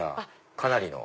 かなりの。